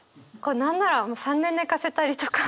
何なら３年寝かせたりとか。